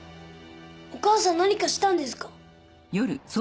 お母さん何かしたんですか？